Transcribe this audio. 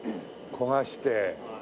焦がして。